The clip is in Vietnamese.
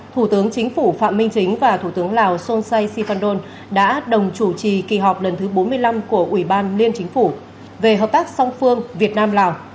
thủ tướng chính phủ phạm minh chính và thủ tướng lào son say sikhandon đã đồng chủ trì kỳ họp lần thứ bốn mươi năm của ủy ban liên chính phủ về hợp tác song phương việt nam lào